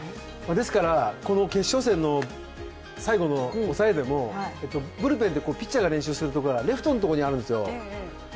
ですから、この決勝戦の最後の抑えでもブルペンでピッチャーが練習するところはレフトのところにあるんですよ。